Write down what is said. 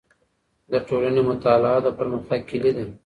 د ټولنې مطالعه د پرمختګ کیلي ده.